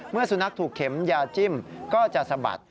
เมื่อสุนัขถูกเข็มยาจิ้มก็จะสะบัด